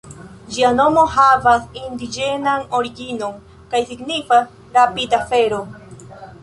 Ĝia nomo havas indiĝenan originon kaj signifas "rapid-afero".